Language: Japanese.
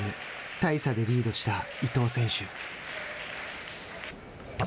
大差でリードした伊藤選手。